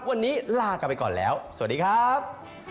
วันนี้ลากลับไปก่อนแล้วสวัสดีครับ